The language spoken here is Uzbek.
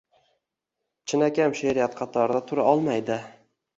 Chinakam she’riyat qatorida tura olmaydi.